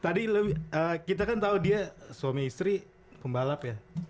tadi kita kan tau dia suami istri pembalap ya